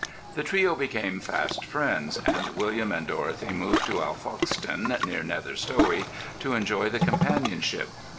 The trio became fast friends, and William and Dorothy moved to Alfoxden (near Nether Stowey) to enjoy the companionship.